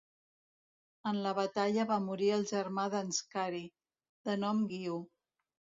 En la batalla va morir el germà d'Anscari, de nom Guiu.